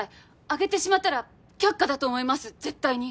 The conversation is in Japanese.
上げてしまったら却下だと思います絶対に。